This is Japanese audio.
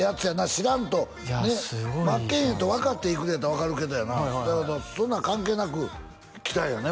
知らんとね真剣佑と分かっていくんやったら分かるけどやなだけどそんなん関係なく来たんやね